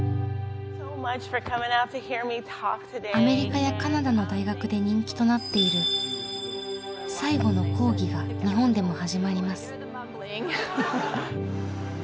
アメリカやカナダの大学で人気となっている「最後の講義」が日本でも始まります。